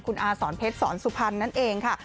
คุณอาสอนเพชรสอนสุพรรณนั่นเองค่ะ